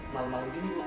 malu malu gini bu